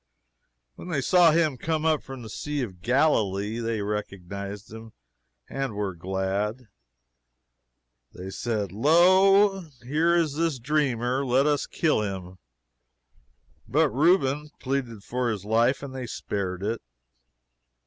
When they saw him coming up from the Sea of Galilee, they recognized him and were glad. They said, "Lo, here is this dreamer let us kill him." But Reuben pleaded for his life, and they spared it.